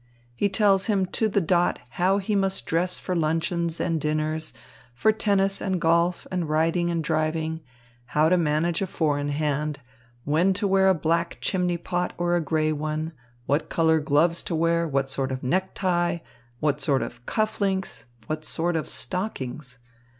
He tells him to the dot how he must dress for luncheons and dinners, for tennis and golf and riding and driving; how to manage a four in hand, when to wear a black chimney pot or a grey one, what colour gloves to wear, what sort of necktie, what sort of cuff links, what sort of stockings.